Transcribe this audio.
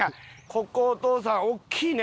ここお父さん大きいね。